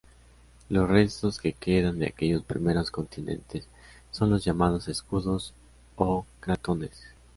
Los restos que quedan de aquellos primeros continentes son los llamados escudos o cratones.